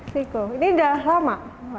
seiko ini udah lama